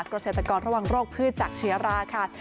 เกษตรกรระวังโรคพืชจากเชื้อราค่ะ